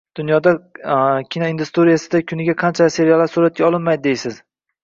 Dunyoda kinoindustriyasida kuniga qanchalar seriallar suratga olinmaydi deysiz.